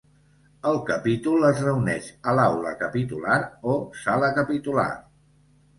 El capítol es reuneix a l'aula capitular o sala capitular.